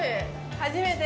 初めて。